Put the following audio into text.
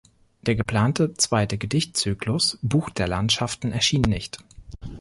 Der geplante zweite Gedichtzyklus „Buch der Landschaften“ erschien nicht.